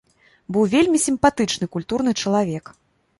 Быў вельмі сімпатычны, культурны чалавек.